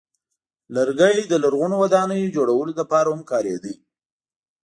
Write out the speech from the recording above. لرګی د لرغونو ودانیو جوړولو لپاره هم کارېده.